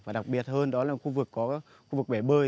và đặc biệt hơn đó là khu vực bé bơi